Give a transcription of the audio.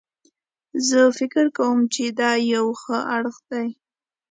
زه فکر کوم چې دا یو ښه اړخ ده